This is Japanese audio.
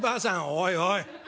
「おいおい